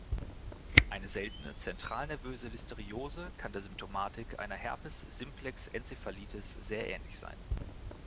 Eine seltene zentralnervöse Listeriose kann der Symptomatik einer Herpes-simplex-Enzephalitis sehr ähnlich sein.